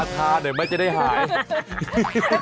สามาทที่จะพูดคุยกันได้เหมือนเดิมนะ